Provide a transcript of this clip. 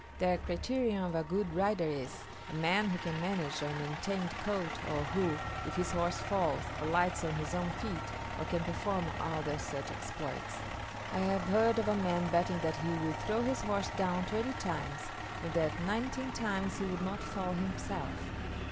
Their criterion of a good rider is, a man who can manage an untamed colt, or who, if his horse falls, alights on his own feet, or can perform other such exploits. I have heard of a man betting that he would throw his horse down twenty times, and that nineteen times he would not fall himself.